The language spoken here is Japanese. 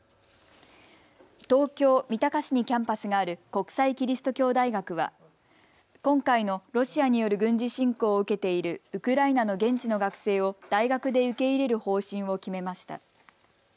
東京三鷹市にキャンパスがある国際基督教大学は今回のロシアによる軍事侵攻を受けているウクライナの現地の学生を大学で受け入れる方針を決めました。